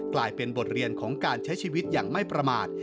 กลายเป็นบทเรียนของการใช้ชีวิตอย่างไม่ประมาท